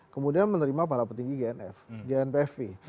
kemudian menerima para petinggi gnpf